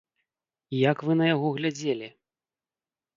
Як вы на яго глядзелі?